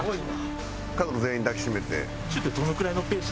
家族全員抱き締めて。